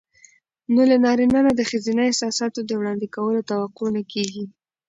نو له نارينه نه د ښځينه احساساتو د وړاندې کولو توقع نه کېږي.